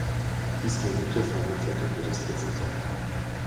Dies kann auch der Fall nach Wetterkatastrophen sein.